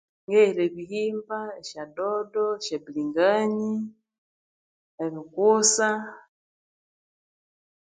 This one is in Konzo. Ngehera ebihimba esya dodo esya bilinganyi ebikusa